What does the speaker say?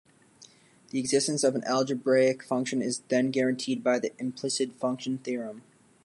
The existence of an algebraic function is then guaranteed by the implicit function theorem.